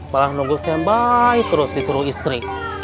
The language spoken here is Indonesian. malah nunggu standby terus disuruh istri